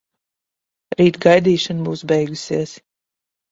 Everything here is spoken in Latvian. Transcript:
Rīt gaidīšana būs beigusies.